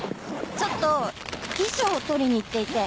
ちょっと衣装を取りに行っていて。